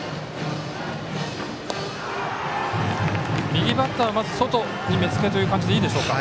右バッター、外に目つけという感じでいいでしょうか。